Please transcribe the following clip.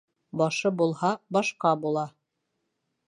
Башы булһа, башҡа була.